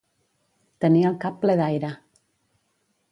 Tenir el cap ple d'aire.